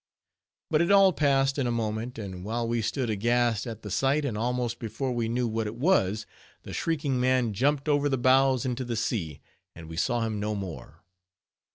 But it all passed in a moment; and while we stood aghast at the sight, and almost before we knew what it was, the shrieking man jumped over the bows into the sea, and we saw him no more.